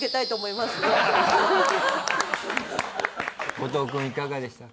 後藤くんいかがでしたか？